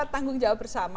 tanggung jawab bersama